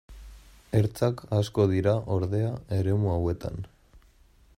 Ertzak asko dira, ordea, eremu hauetan.